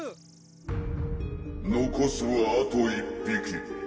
「のこすはあと１匹」